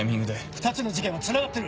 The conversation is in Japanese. ２つの事件はつながってる！